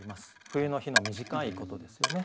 冬の日の短いことですよね。